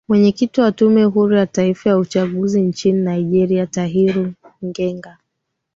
mwenyekiti wa tume huru ya taifa ya uchaguzi nchini nigeria tahiru ngega